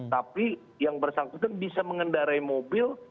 tapi yang bersangkutan bisa mengendarai mobil